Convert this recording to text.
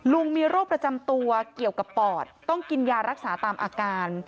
มีโรคประจำตัวเกี่ยวกับปอดต้องกินยารักษาตามอาการ